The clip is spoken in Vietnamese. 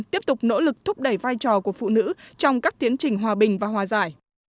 tiếp tục nỗ lực thúc đẩy vai trò của phụ nữ trong các tiến trình hòa bình và hòa giải